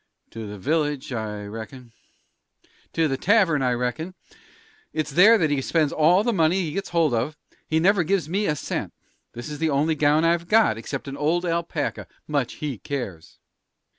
"To the village, I reckon." "To the tavern, I reckon. It's there that he spends all the money he gets hold of; he never gives me a cent. This is the only gown I've got, except an old alpaca. Much he cares!"